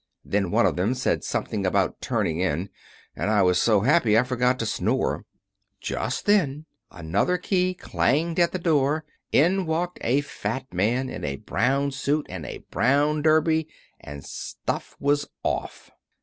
Then one of them said something about turning in, and I was so happy I forgot to snore. Just then another key clanged at the door, in walked a fat man in a brown suit and a brown derby, and stuff was off."